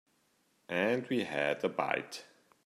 And we had a bite.